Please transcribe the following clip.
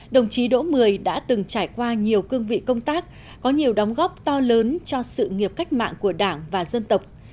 đồng chí đỗ mười đã từng trải qua nhiều cương vị công tác có nhiều đóng góp to lớn cho sự nghiệp cách mạng của đảng và dân tộc